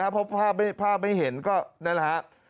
เพราะภาพไม่เห็นก็นั่นแหละฮะ